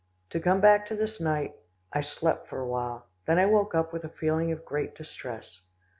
To come back to this night, I slept for a while, then I woke up with a feeling of great distress.